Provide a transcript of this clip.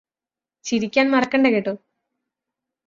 ചിരിക്കാന് മറക്കണ്ട കേട്ടോ